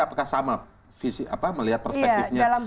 apakah sama melihat perspektifnya